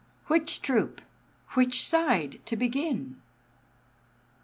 Which troupe, which side, to begin?